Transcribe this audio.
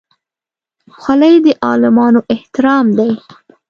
خولۍ د عالمانو احترام دی.